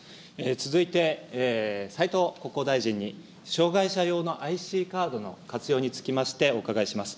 続いて、斉藤国交大臣に、障害者用のＩＣカードの活用につきまして、お伺いします。